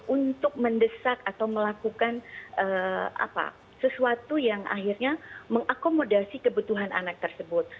untuk mendesak atau melakukan sesuatu yang akhirnya mengakomodasi kebutuhan anak tersebut